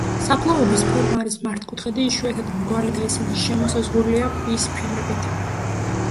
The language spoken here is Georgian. საფლავების ფორმა არის მართკუთხედი, იშვიათად მრგვალი და ისინი შემოსაზღვრულია ქვის ფილებით.